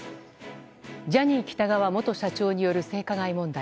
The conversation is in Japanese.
ジャニー喜多川元社長による性加害問題。